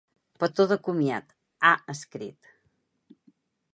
Petó de comiat, ha escrit.